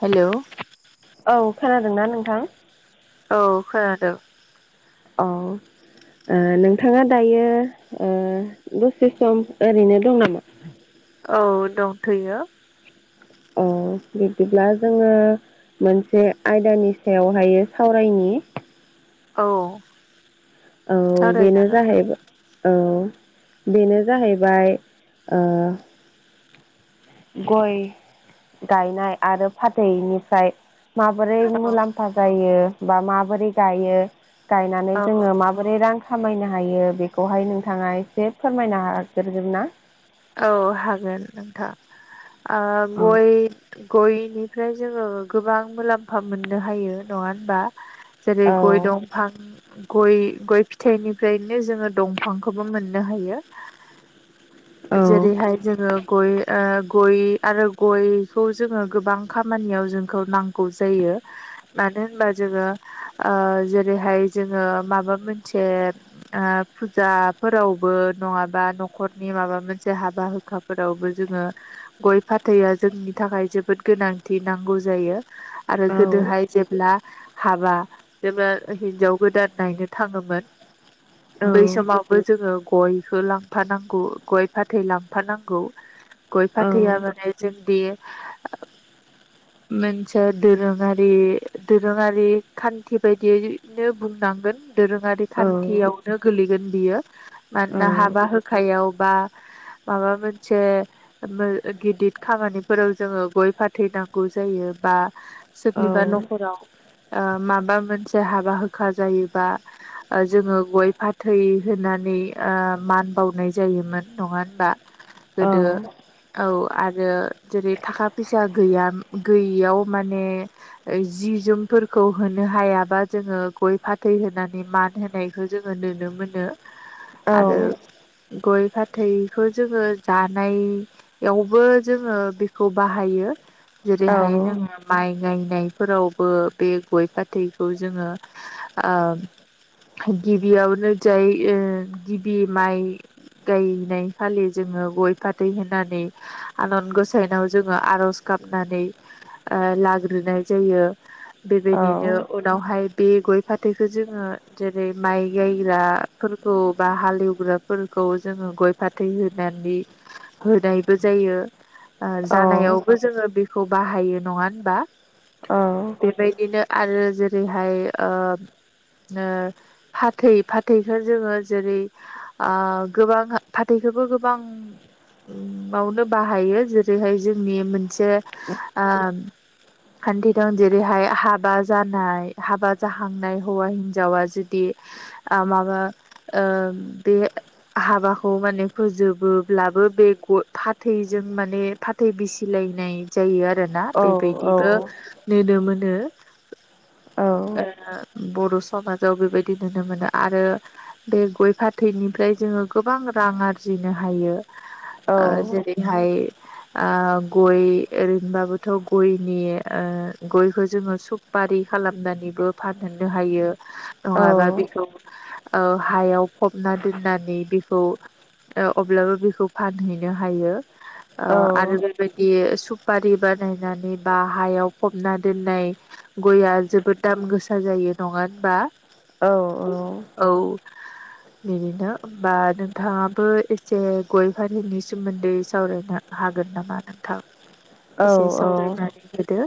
Hello औ खोनादोंना नोंथां? औ खोनादों औ ओ नोंथाङा दायो ओ दसे सम ओरैनो दं नामा? औ दंथैयो औ बिब्दिब्ला जोङो मोनसे आयदानि सायावहाय सावरायनि औ औ बेनो सावरायजागोन जाहैबाय औ बेनो जाहैबाय ओ गय गायनाय आरो फाथैनिफ्राय माबोरै औ मुलाम्फा जायो बा माबोरै गायो गायनानै औ जोङो माबोरै रां खामायनो हायो बेखौहाय नोंथाङा एसे फोरमायनो हाग्रोगोन ना? औ हागोन नोंथां ओ औ गय गयनिफ्राय जोङो गोबां मुलाम्फा मोननो हायो नङा होनबा? जेरै औ गय दंफां गय गय फिथाइनिफ्रायनो जोङो दंफांखौबो मोननो हायो। जेरैहाय जोङो गय ओ गय आरो गयखौ जोङो गोबां खामानियाव जोंखौ नांगौ जायो। मानो होनबा जोङो ओ जेरैहाय जोङो माबा मोनसे आ फुजाफोरावबो नङाबा नख'रनि माबा मोन जे हाबा हुखाफोरावबो जोङो गइ फाथैया जोंनि थाखाय जोबोद गोनांथि नांगौ जायो। आरो औ गोदोहाय जेब्ला हाबा जेनबा हिनजाव गोदान नायनो औ थाङोमोन बै समावबो जोङो गयखौ लांफानांगौ गइ फा थै लांफानांगौ गइ फाथैया माने जोंनि मोनसे दोरोङारि दोरोङारि खान्थि बायदियैनो बुं नांगोन दोरोङारि खान्थियावनो गोलैगोन बियो मानोना हाबा होखायाव बा [inaudible] माबा मोनसे मो ओ गिदिर खामानिफोराव जोङो गइ फाथैनांगौ जायो। बा सोरनिबा न'खराव ओ माबा मोनसे हाबा हुखा जायोबा ओ जोङो गय फाथै होनानै ओ मान बावनाय जायोमोन। नङा होनबा गोदो औ आरो जेरै थाखा फैसा गैया गैयियाव माने ऐ जि जोमफोरखौ होनो हायाबा जोङो गइ फाथै होनानै मान होनायखौ जोङो नुनो मोनो आरो गइ फा बेखौ जोङो जानायावबो जोङो बेखौ बाहायो। जेरैहाय जोङो माइ गायनायफोरावबो बे गइ फाथैखौ जोङो ओ गिबियावनो जाय ओ गिबि माइ गाय नाय खालि जोङो गइ फाथै होनानै आनान गसाइनाव जोङो आर'ज गाबनानै ओ लाग्रोनाय जायो बेबायदिनो उनावहाय बे गइ फाथैखौ जोङो जेरै माइ गायग्राफोरखौ बा हालेवग्राफोर खौ जोंङो गइ फाथै होनानै होनायबो जायो ओ आजानायावबो जोङो बे खौ बाहायो नङा होनबा बेबायदिनो आरो जेरैहाय ओ ओ फाथै फाथैखौ जोङो जेरैउ आं गोबां फाथैखौबो गोबां बाउनो बाहायो जेरैहाय जोंनि मोनसे आ खान्थि दं जेरैहाय हाबा जानाय हाबा जाहांनाय हौवा हिन्जावा जुदि आ माबा ओ बे हाबा खौ माने फोजोबोब्लाबो बे फाथैजों माने फाथै बिसिलायनाय जायो आ रोना बेबायदिबो नुनो मोनो। ओ बर' समाजाव बेबायदि नुनो मोनो आरो बे गइ फाथैनिफ्राय जो ङो गोबां रां आरजिनो हायो ओ जेरैहाय ओ गइ ओरैनोबाबोथ' गइनि ओ गइखौ जोङो सुपारि खालामनानैबो फानहैनो हायो नङाबा बेखौ ओ हायाव फबना दोननानै बेखौ ओ अब्लाबो बेखौ फानहैनो हायो ओ आरो बे बायदि सुपारि बानायनानै बा हायाव फबना दोननाय गइया जोबोद दाम गोसा जायो नङा होनबा औ बिदिनो होमबा नों थाङाबो एसे गइ फाथैनि सोमोन्दै सावरायनो हागोन नामा नोंथां? औ एसे औ सावरायनानै होदो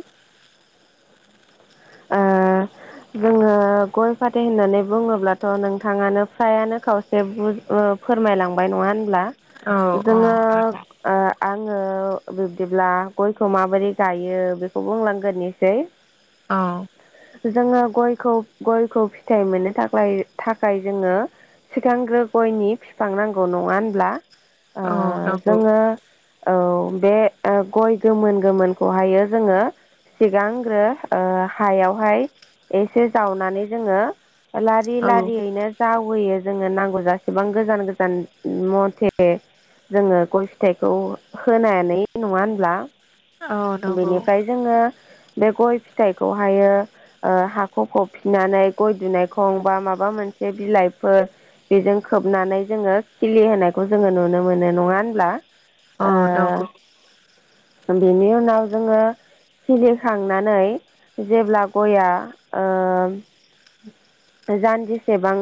ओ [inaudible] जोङो गइ फाथै होननानै बुङोब्लाथ' नोंथाङानो फ्रायानो खावसे बुं ओ फोरमायलांबाय नङा होनब्ला औ औ जोङो हागोन आ आङो बिब्दिब्ला गयखौ माबोरै गायो बेखौ बुंलांग्रोनोसै औ जोङो गयखौ गयखौ फिथाइ मोननो थाख्लाय थाखाय जोङो सिगांग्रो गय नि बिफां नांगौ नङा होनब्ला ओ औ नंगौ जोङो औ बे ओ गय गोमोन गोमोनखौहायो जोङो सिगांग्रो हायावहाय एसे जावनानै जोङो लारि औ लारियैनो जावैयो जोङो नांगौ जासेबां गोजान गोजान मथे जोङो गय फिथाइखौ होनानै नङा होनब्ला औ नंगौ बेनिफ्राय जोङो बे गय फिथाइखौहायो ओ हाखौ फबफिननानै गय दुनायखं बा माबा मोनसे बिलाइफोर बेजों खोबनानै जोङो खिलि होनायखौ जोङो नुनो मोनो नङा होनब्ला अ दगौ बेनि उनाव जोङो खिलिखांनानै जेब्ला गया ओ जानजिसेबां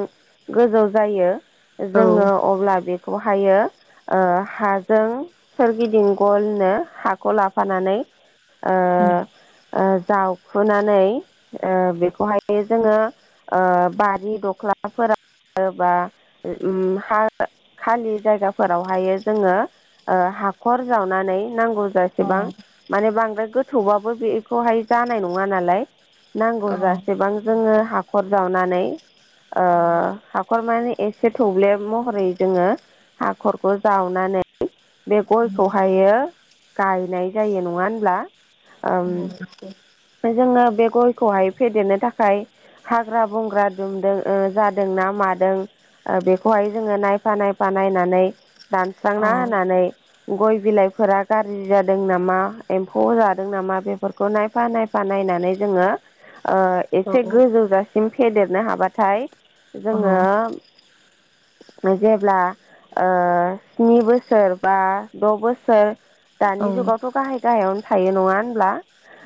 गोजौ जायो औ जोङो अब्ला बे खौहायो ओ हाजों सोरगिदिं गलनो हाखौ लाफानानै ओ ओ जावखुनानै ओ बेखौहाय जोङो ओ बारि दख्लाफोरा बा हा खालि जायगाफोरावहाय जोङो ओ हाखर जावनानै नांगौ औ जासेबां माने बांद्राय गोथौबाबो बेखौहाय जानाय नङा नालाय नांगौ जासेबां जोङो हाखर जावनानै ओ हाखर माने एस एसे थब्ले महरै जोङो हाखरखौ जावनानै बे गयखौहायो गायनाय जायो नङा होनब्ला ओम [inaudible] जोङो बे गयखौहाय फेदेरनो थाखाय हाग्रा बंग्रा दुमदों ओ जादोंना मादों ओ बेखौहाय जोङो नायफा नायफा नायनानै दानस्रांना होनानै गय बिलाइ फोरा गाज्रि जादों नामा एम्फौ जादों नामा बेफोरखौ नायफा नायफा बानायनानै जोङो ओ एसे गोजौजासिम फेदेरनो हाबाथाय जोङो जेब्ला ओ स्नि बोसोर बा द' बोसोर दानि जुगावथ' गाहाय गाहायावनो थायो नङा होनब्ला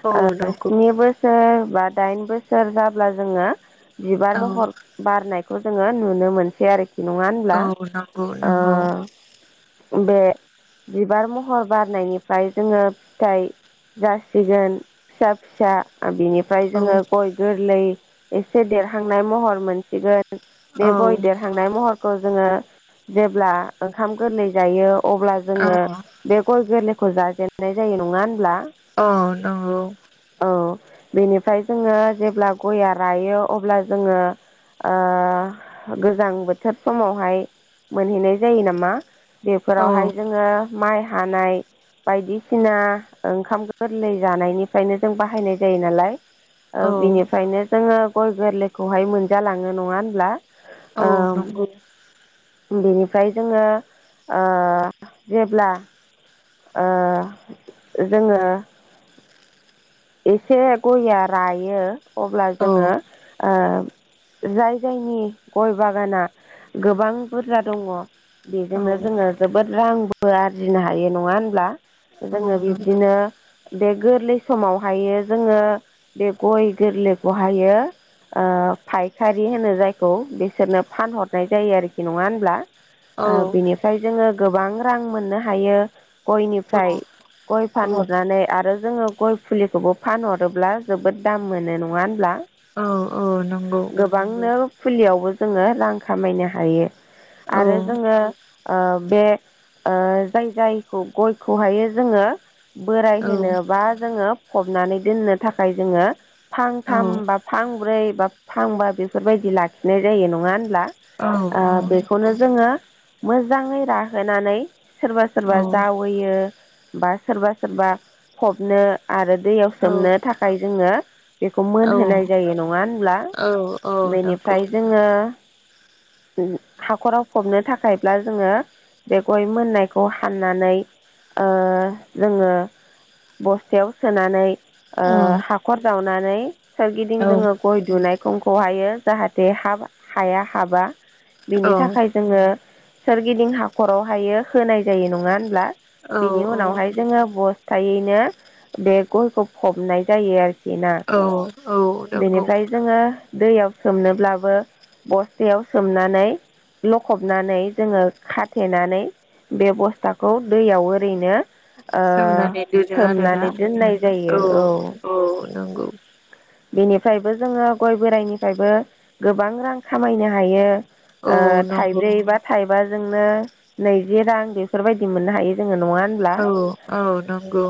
औ नंगौ स्नि बोसोर बा दाइन बोसोर जाब्ला जोङो बिबार औ महर बारनायखौ जोङो नुनो मोनसै आरोखि नङा होनब्ला औ नंगौ ओ नंगौ बे बिबार महर बारनायनिफ्राय जोङो फिथाइ जासिगोन फिसा फिसा बिनिफ्राय औ जोङो गय गोरलै एसे देरहांनाय महर मोनसिगोन औ बे गय देरहांनाय महर जोङो जेब्ला ओंखाम गोरलै जायो अब्ला औ जोङो बे गय गोरलै खौ जाजेनन्नाय जायो नङा होनब्ला अ नंगौ औ बेनिफ्राय जोङो जेब्ला गया रायो अब्ला जोङो गोजां बोथोर समावहाय मोनहैनाय जायो नामा औ बेफोरावहाय जोङो माइ हानाय बायदिसिना ओंखाम गोरलै जानायनिफ्रायनो जों बाहायनाय जायो नालाय औ बिनिफ्रायनो जोङो गय गोरलैखौहाय मोनजालाङो नङा होनब्ला औ ओ नंगौ। बेनिफ्राय जोङो जेब्ला जोङो एसे गया रायो अब्ला औ जोङो जाय जायनि गय बागाना गोबां बुरजा दङ बेजोंनो जोङो जोबोद रांबो आरजिनो हायो नङा होनब्ला? जोङो बिब्दिनो बे गोरलै समाव हायो जोङो बे गय गोरलैखौ हायो फायखारि होनो जायखौ बिसोरनो फानहरनाय जायो आरोखि नङा होनब्ला? औ बिनिफ्राय जोङो गोबां रां मोननो हायो गयनिफ्राय गय औ फानहरनानै आरो जोङो गय फुलिखौबो फानहरोब्ला जोबोद दाम मोनो नङा होनब्ला औ औ नंगौ गोबांनो फुलियावबो जोङो रां खामायनो हायो औ आरो जोङो बे जाय जायखौ गयखौहायो जोङो बोराय औ होनो बा जोङो फबनानै दोननो थाखाय जोङो औ फांथाम बा फां ब्रै बा फांबा बेफोरबायदि बिदि लाखिनाय जायो नङा होनब्ला? औ ओ औ। बेखौनो जोङो मोजाङै राहोनानै सोरबा औ सोरबा जावोयो। बा सोरबा सोरबा फबनो आरो दैयाव सोमनो थाखाय जोङो बेखौ मोनहोनाय जायो नङा ब्ला बेनिफ्राय जोङो [inaudible] हाखराव फबनो थाखायब्ला जोङो बे गय मोननायखौ हाननानै जोङो बस्थायाव सोनानै हाखर जावनानै औ सोरगिदिं जोङो गय दुनाय खंखौ हायो जाहाथे हाब हाया हाबा बेनि थाखाय जोङो सोरगिदिं हाखरावहायो होनाय जायो नङा होनब्ला? बिनि उनावहाय जोङो बस्थायैनो बे गयखौ फबनाय जायो आरोखि। खि ना औ नंगौ बेनिफ्राय जोङो दैयाव सोमनोब्लाबो बस्थायाव सोमनानै लखबनानै जोङो खाथेनानै बे बस्थाखौ दैयाव ओरैनो सोमनानै दोनो आरोना सोमनानै होननाय जायो औ। औ नंगौ। बेनिफ्रायबो जोङो गय बोराइनिफ्रायबो गोबां रां खामायनो हायो। औ नंगौ थाइब्रै बा थाइबाजोंनो नैजि रां बेफोरबायदि मोननो हायो जोङो नङा? होनब्ला औ औ नंगौ।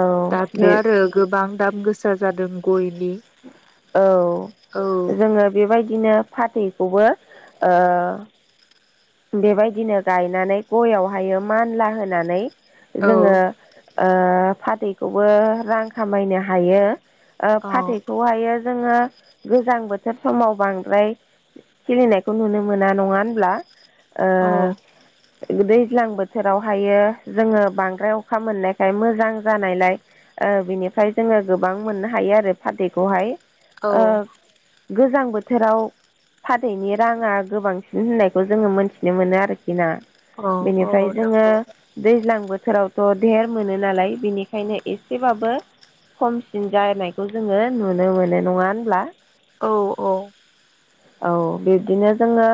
औ दाथ बे आरो गोबां दाम गोसा जादों। गयनि औ औ जोङो बेबायदिनो फाथैखौबो ओ बेबायदिनो गायनानै गयावहाय मानला होनानै औ जोङो ओ फाथैखौबो रां खामायनो हायो। ओ औ फाथैखौहायो जोङो गोजां बोथोर समाव बांद्राय खिलिनायखौ नुनो मोना नङा होनब्ला औ ओ दैज्लां बोथोरावहायो जोङो बांद्राय अखा मोननायखाय मोजां जानायलाय ओ बिनिफ्राय जोङो गोबां मोननो हायो आरो फारदैखौहाय। औ गोजां बोथोराव फाथैनि राङा गोबांसिन होननाय बे खौ जोङो मोनन्थिनो मोनो आरोखि ना। औ औ बेनिफ्राय जोङो नंगौ दैज्लां बोथोरावथ धेर मोनो नालाय बेनिखायनो एसेबाबो बो खमसिन जानायखौ जोङो नुनो मोनो नङा होनब्ला? औ औ। औ बिब्दिनो जोङो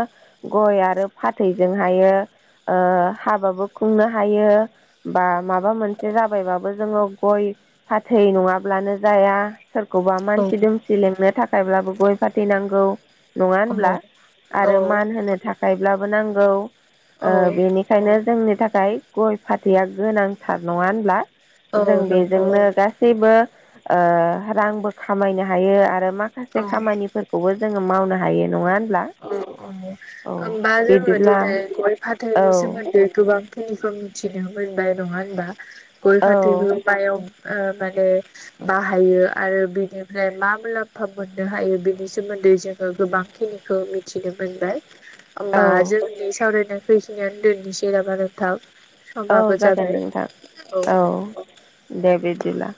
गय आरो फाथैजोंहायो ओ हाबाबो खुंनो हायो बा माबा मोनसे जाबायबाबो जोङो गय फाथै नङाब्लानो जाया। सोरखौबा औ मानसि दुमसि लेंनो थाखायब्लाबो गय फााथैनांगौ। नङा होनब्ला आरो मान होनो थाखायब्लाबो नांगौ ओ बेनिखायनो जोंनि थाखाय खाय गय फाथैया गोनांथार नङा होनब्ला जों नंगौ बेजोंनो गासैबो ओ रांबो खामायनो हायो आरो माखासे औ खामानिफोरखौबो जोङो मावनो हायो नङा होनब्ला? औ औ होमबा जोङो बिदिब्ला दिनै गय औ फाथैनि सोमोन्दै गोबां फनिखौ मिथिनो मोनबाय। नङा होनबा गय फाथैबो औ बाय ओ माने बाहायो आरो बिनिफ्राय मा मुलाम्फा मोननो हायो बिनि सोमोन्दै जोङो गोबांखिनिखौ मिथिनो मोनबाय। औ होमबा जोंनि सावरायनायखौ इखिनियावनो दोननिसै नामा नोंथां। औ समाबो जागोन जाबाय नोंथां औ दे बिदिब्ला।